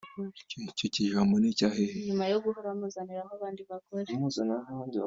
nyuma yo guhora amuzaniraho abandi bagore